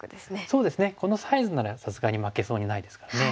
そうですねこのサイズならさすがに負けそうにないですからね。